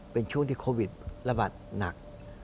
เป็นช่วงที่โควิดระบาดหนัก